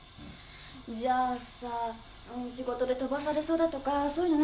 じゃあさ仕事で飛ばされそうだとかそういうのないかな？